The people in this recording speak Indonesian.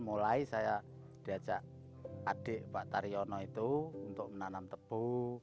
mulai saya diajak adik pak taryono itu untuk menanam tebu